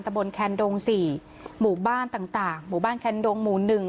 ตะบนแคนดงสี่หมู่บ้านต่างต่างหมู่บ้านแคนดงหมู่หนึ่ง